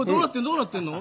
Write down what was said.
どうなってんの？